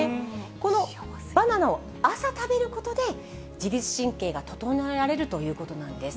このバナナを朝食べることで、自律神経が整えられるということなんです。